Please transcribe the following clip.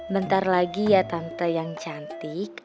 bentar lagi ya tante yang cantik